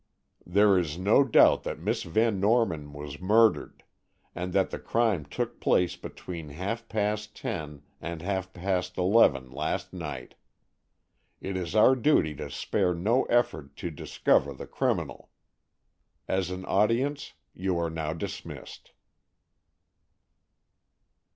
There is no doubt that Miss Van Norman was murdered, and that the crime took place between half past ten and half past eleven last night. It is our duty to spare no effort to discover the criminal. As an audience you are now dismissed."